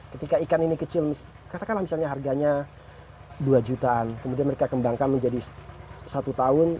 ketika ikan ini kecil katakanlah misalnya harganya dua jutaan kemudian mereka kembangkan menjadi satu tahun